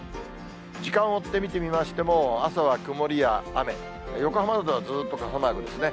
時間を追って見てみましても、朝は曇りや雨、横浜などではずっと傘マークですね。